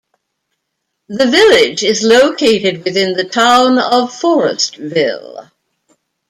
The village is located within the Town of Forestville.